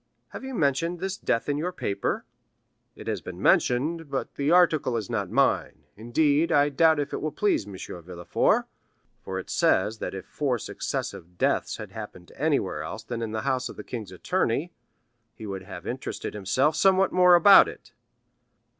"Have you mentioned this death in your paper?" "It has been mentioned, but the article is not mine; indeed, I doubt if it will please M. Villefort, for it says that if four successive deaths had happened anywhere else than in the house of the king's attorney, he would have interested himself somewhat more about it."